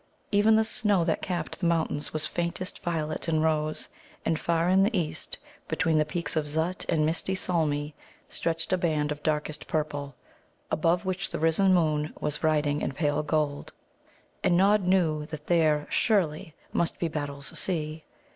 Even the snow that capped the mountains was faintest violet and rose, and far in the distance, between the peaks of Zut and misty Solmi, stretched a band of darkest purple, above which the risen moon was riding in pale gold. And Nod knew that there, surely, must be Battle's Sea.